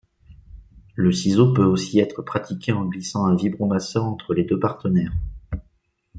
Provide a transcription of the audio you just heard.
Le ciseau peut aussi être pratiqué en glissant un vibromasseur entre les deux partenaires.